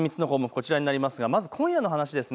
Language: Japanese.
こちらになりますがまず今夜の話です。